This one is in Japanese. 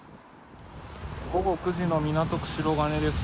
午後９時の港区白金です。